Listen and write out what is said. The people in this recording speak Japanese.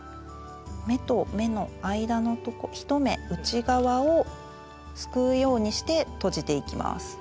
目と目の間のとこ１目内側をすくうようにしてとじていきます。